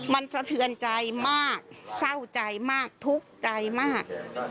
มันสะเทือนใจมากเศร้าใจมากทุกข์ใจมาก